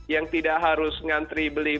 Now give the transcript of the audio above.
yang tidak harus ngantri beli